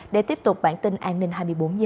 để tiếp tục bản tin an ninh hai mươi bốn h